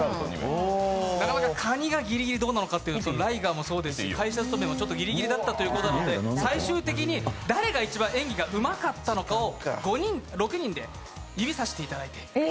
なかなかかにがギリギリどうなのか、ライガーもそうですし、会社勤めもギリギリだったということで、最終的に誰が一番演技がうまかったのかを６人で指さしていただいて。